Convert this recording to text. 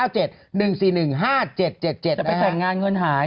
ไปแต่งงานเงินหาย